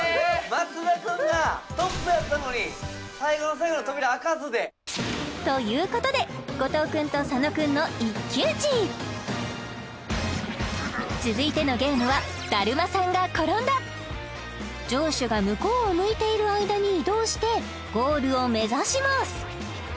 松田君がトップやったのに最後の最後で扉開かずでということで後藤君と佐野君の一騎打ち続いてのゲームは城主が向こうを向いている間に移動してゴールを目指します